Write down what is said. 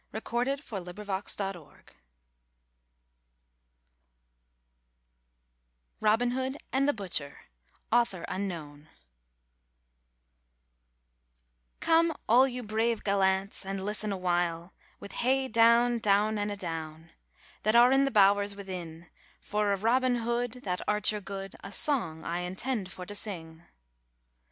Christopher Marlowe 63 RAINBOW GOLD ROBIN HOOD AND THE BUTCHER COME, all you brave gallants, and listen a while, With hey down, down, an a down, That are in the bowers within; For of Robin Hood, that archer good, A song I intend for to sing.